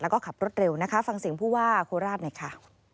แล้วก็ขับรถเร็วนะคะฟังเสียงผู้ว่าโคราชหน่อยค่ะ